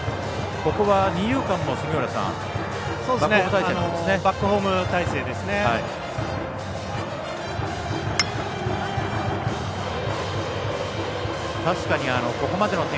ここは、二遊間もバックホーム態勢なんですね。